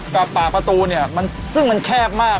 กับปากประตูเนี่ยซึ่งมันแคบมาก